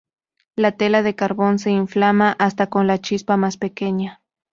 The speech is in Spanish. La tela de carbón se inflama hasta con la chispa más pequeña.